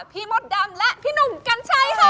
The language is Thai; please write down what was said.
พี่หมดดำและผู้นุ่มกันชัยค่ะ